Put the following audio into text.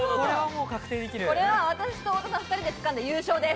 これは私と太田さん、２人でつかんだ優勝です。